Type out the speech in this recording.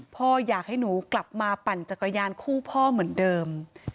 พ่ออยากให้หนูกลับมาปั่นจักรยานคู่พ่อเหมือนเดิม